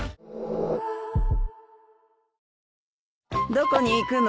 どこに行くの？